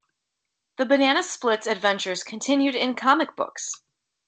The Banana Splits' adventures continued in comic books.